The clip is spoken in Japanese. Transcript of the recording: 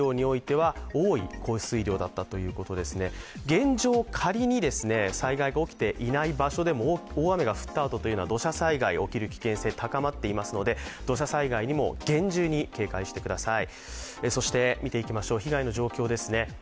現状、仮に災害が起きていない場所でも大雨が降ったあとというのは土砂災害が起きる可能性が高まっておりますので、土砂災害にも厳重に警戒してください。